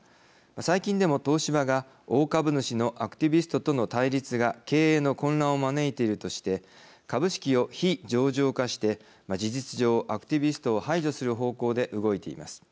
最近でも、東芝が、大株主のアクティビストとの対立が経営の混乱を招いているとして株式を非上場化して事実上、アクティビストを排除する方向で動いています。